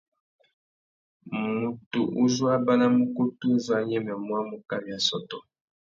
Mutu uzú a banamú ukutu uzú a nyêmêmú a mú kawi assôtô.